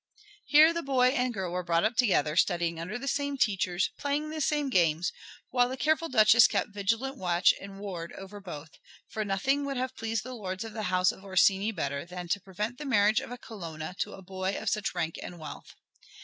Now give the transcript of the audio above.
Here the boy and girl were brought up together, studying under the same teachers, playing the same games, while the careful Duchess kept vigilant watch and ward over both, for nothing would have pleased the lords of the house of Orsini better than to prevent the marriage of a Colonna to a boy of such rank and wealth.